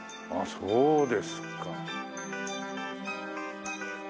そうですか。